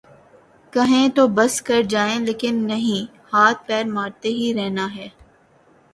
کہیں تو بس کر جائیں لیکن نہیں ‘ ہاتھ پیر مارتے ہی رہنا ہے۔